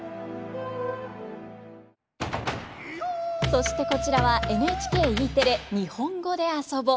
そしてこちらはＮＨＫＥテレ「にほんごであそぼ」。